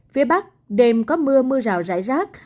phía bắc đêm có mưa mưa rào rải rác